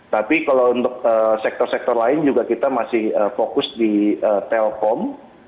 tapi kalau untuk sektor sektor lain juga kita masih fokus di telkom